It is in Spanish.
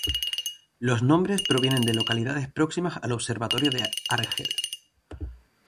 Los nombres provienen de localidades próximas al observatorio de Argel.